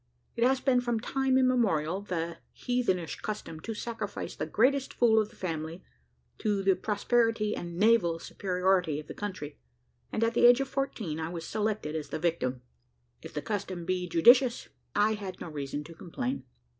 It has been from time immemorial the heathenish custom to sacrifice the greatest fool of the family to the prosperity and naval superiority of the country, and, at the age of fourteen, I was selected as the victim. If the custom be judicious, I had no reason to complain.